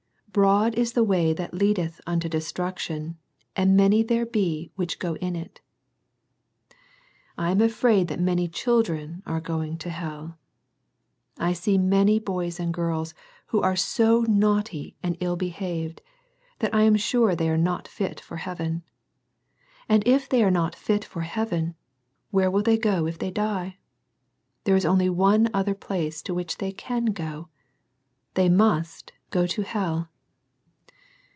"Broad is the way that leadeth unto destruction, and many there be which go in it" I am afraid that many children are going to hell. I see maiiy boys and girls who are so naughty and ill behaved, that I am sure they are not fit for heaven. And if they are not fit for heaven, where will they go if they die ? There is only one other place to which they can go. They MUST GO TO HELL.